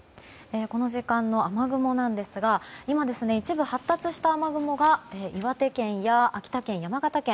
この時間の雨雲ですが今、一部発達した雨雲が岩手県や秋田県、山形県